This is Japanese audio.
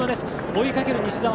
追いかける西澤